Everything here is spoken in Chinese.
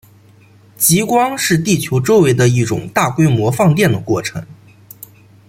极光是地球周围的一种大规模放电的过程。